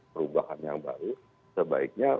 perubahan yang baru sebaiknya